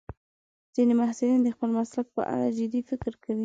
ځینې محصلین د خپل مسلک په اړه جدي فکر کوي.